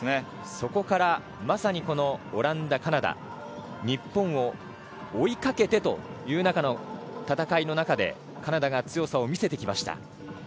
そこからまさにオランダ、カナダが日本を追いかけてという戦いの中でカナダが強さを見せてきました。